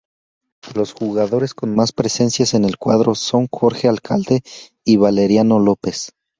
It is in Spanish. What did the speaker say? Los jugadores con más presencias en el cuadro son Jorge Alcalde y Valeriano López.